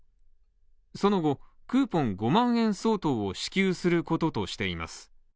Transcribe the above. その後、クーポン５万円相当を支給することとしています。